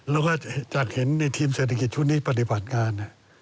แล้วก็จากเห็นในทีมเศรษฐกิจชุดนี้ปฏิบัติงาน